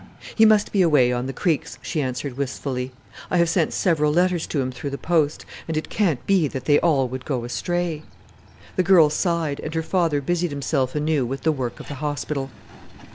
"He must be away on the creeks," she answered wistfully. "I have sent several letters to him through the post; and it can't be that they all would go astray." The girl sighed, and her father busied himself anew with the work of the hospital.